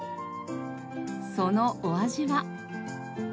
そのお味は？